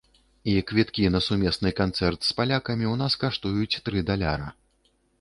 І квіткі на сумесны канцэрт з палякамі ў нас каштуюць тры даляра.